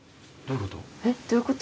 どういうこと？